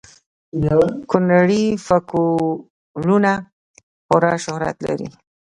کونړي فکولونه خورا شهرت لري